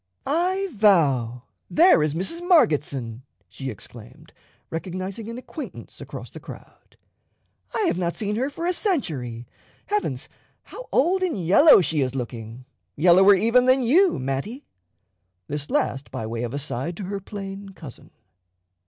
"I vow, there is Mrs. Margetson," she exclaimed, recognizing an acquaintance across the crowd: "I have not seen her for a century. Heavens, how old and yellow she is looking yellower even than you, Mattie!" this last by way of aside to her plain cousin.